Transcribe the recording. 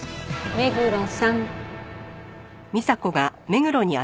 目黒さん。